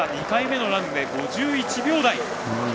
２回目のランで５１秒台。